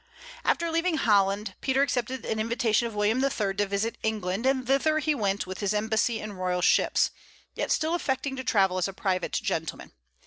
After leaving Holland, Peter accepted an invitation of William III. to visit England, and thither he went with his embassy in royal ships, yet still affecting to travel as a private gentleman.